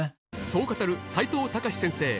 そう語る齋藤孝先生